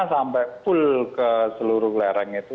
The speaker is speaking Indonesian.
sampai full ke seluruh lereng itu